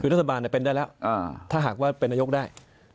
คือรัฐบาลเป็นได้แล้วถ้าหากว่าเป็นนายกได้